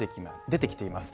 出てきています。